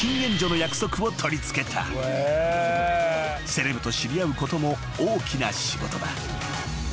［セレブと知り合うことも大きな仕事だ］